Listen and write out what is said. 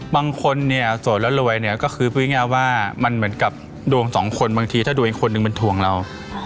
บางคนเนี่ยโสดแล้วรวยเนี่ยก็คือพูดง่ายว่ามันเหมือนกับดวงสองคนบางทีถ้าดวงอีกคนนึงมันทวงเรา